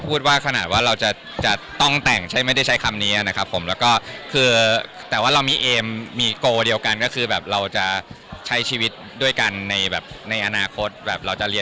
คุยกันไว้เมื่อเมื่อกีดมาแล้วหรือจะแต่งในอาณาคตค่ะ